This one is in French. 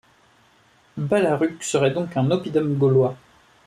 Balaruc serait donc un oppidum gaulois.